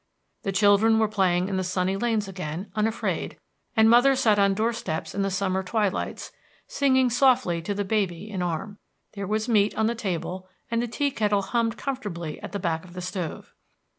The children were playing in the sunny lanes again, unafraid, and mothers sat on doorsteps in the summer twilights, singing softly to the baby in arm. There was meat on the table, and the tea kettle hummed comfortably at the back of the stove.